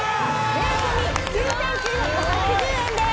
税込９９８０円です